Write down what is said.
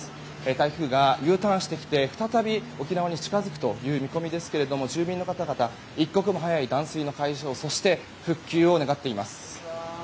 台風がＵターンしてきて再び沖縄に近づく見込みですが住民の方々一刻も早い断水の解消そして、復旧を願っています。